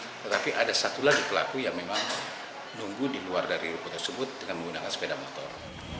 tetapi ada satu lagi pelaku yang memang nunggu di luar dari ruko tersebut dengan menggunakan sepeda motor